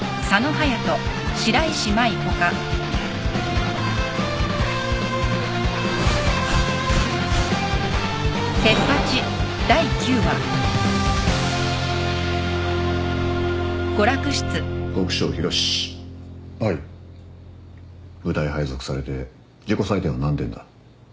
部隊配属されて自己採点は何点だ？